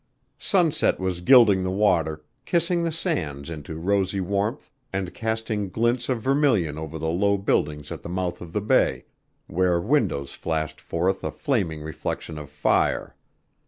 Sunset was gilding the water, kissing the sands into rosy warmth and casting glints of vermilion over the low buildings at the mouth of the bay, where windows flashed forth a flaming reflection of fire.